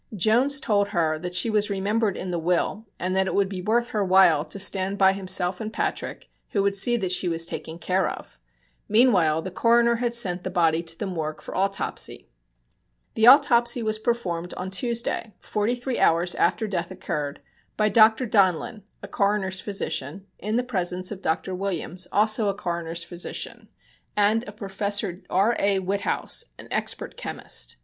Jones told her that she was remembered in the will and that it would be worth her while to stand by himself and Patrick, who would see that she was taken care of. Meanwhile the coroner had sent the body to the morgue for autopsy. The autopsy was performed on Tuesday, forty three hours after death occurred, by Dr. Donlin, a coroner's physician, in the presence of Dr. Williams, also a coroner's physician, and of Professor R. A. Witthaus, an expert chemist.